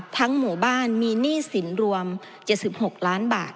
หมู่บ้านมีหนี้สินรวม๗๖ล้านบาท